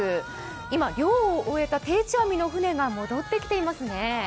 今、漁を終えた定置網の船が戻ってきていますね。